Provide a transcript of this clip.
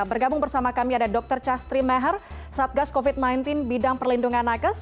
bergabung bersama kami ada dr castri meher satgas covid sembilan belas bidang perlindungan nakes